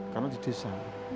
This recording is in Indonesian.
karena di desa